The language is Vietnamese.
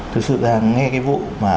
thực sự là nghe cái vụ mà